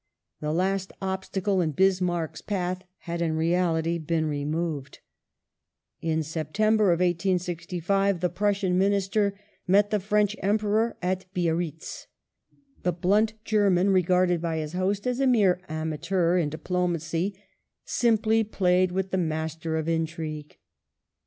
The last obstacle in Bismarck's path had in reality been removed. In September, 1865, the Prussian Minister met the French The meet Emperor at Biarritz. The blunt German, regarded by his host as ^"S ^^ a mere amateur in diplomacy, simply played with the master of intrigue.